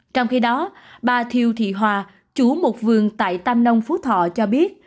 trong khi đó bà thiêu thị hòa chủ một vườn tại tam nông phú thọ cho biết